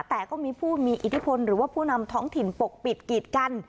แต่ก็มีผู้มีอิทธิพลหรือว่าผู้นำท้องถิ่นปกปิดกีดกัน